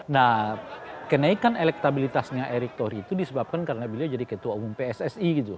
nah kenaikan elektabilitasnya erick tauhri itu disebabkan karena beliau jadi ketua panitia